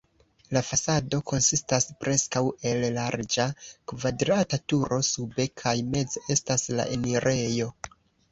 La fasado konsistas preskaŭ el larĝa kvadrata turo, sube kaj meze estas la enirejo.